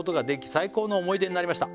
「最高の思い出になりました」